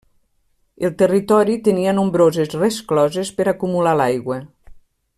El territori tenia nombroses rescloses per acumular l'aigua.